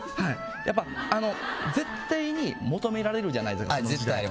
やっぱり絶対に求められるじゃないですか。